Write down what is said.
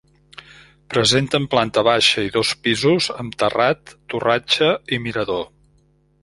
Presenten planta baixa i dos pisos amb terrat, torratxa i mirador.